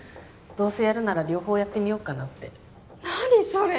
どうせやるなら両方やってみようかなって何それ